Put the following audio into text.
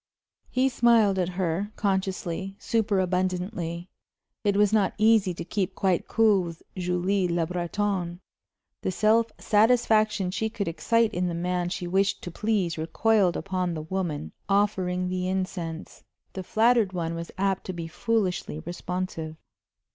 He smiled at her consciously, superabundantly. It was not easy to keep quite cool with Julie Le Breton; the self satisfaction she could excite in the man she wished to please recoiled upon the woman offering the incense. The flattered one was apt to be foolishly responsive.